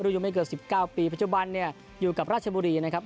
อยู่ไม่เกิน๑๙ปีปัจจุบันเนี่ยอยู่กับราชบุรีนะครับ